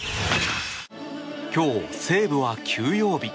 今日、西武は休養日。